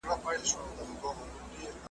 که چېرې تاسو مڼه خورئ، نو ویې مینځئ.